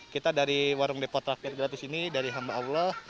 kita dari warung depot rakyat gratis ini dari hamba allah